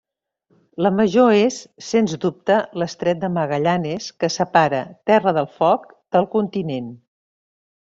La major és, sens dubte, l'estret de Magallanes, que separa Terra del Foc del continent.